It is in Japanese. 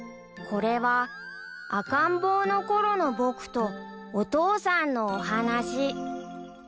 ［これは赤ん坊のころの僕とお父さんのお話］